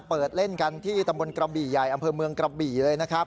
เปิดเล่นกันที่ตำบลกระบี่ใหญ่อำเภอเมืองกระบี่เลยนะครับ